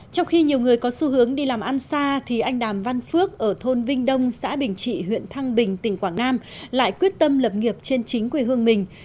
trong khi nhiều người có xu hướng đi làm ăn xa thì anh đàm văn phước ở thôn vinh đông xã bình trị huyện thăng bình tỉnh quảng nam lại quyết tâm lập nghiệp trên chính quê hương mình